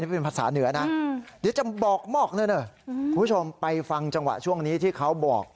พัฒน์เหนือนะอืมเดี๋ยวจะบอกมอกนึงนะครับคุณผู้ชมไปฟังจังหวะช่วงนี้ที่เขาบอก